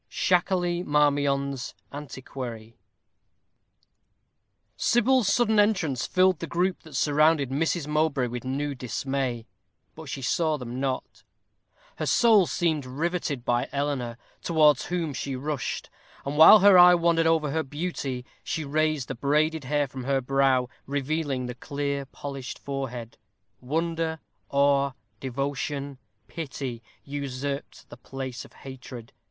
SHAKERLEY MARMION'S Antiquary. Sybil's sudden entrance filled the group that surrounded Miss Mowbray with new dismay. But she saw them not. Her soul seemed riveted by Eleanor, towards whom she rushed; and while her eye wandered over her beauty, she raised the braided hair from her brow, revealing the clear, polished forehead. Wonder, awe, devotion, pity, usurped the place of hatred.